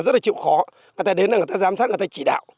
rất là chịu khó người ta đến là người ta giám sát người ta chỉ đạo